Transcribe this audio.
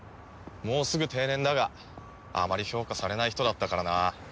もうすぐ定年だがあまり評価されない人だったからな。